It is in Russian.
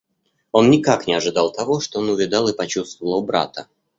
Он никак не ожидал того, что он увидал и почувствовал у брата.